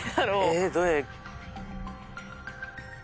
えっどれ。